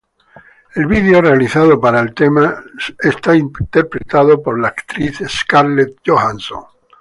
El video realizado para el tema, es interpretado por la actriz Scarlett Johansson.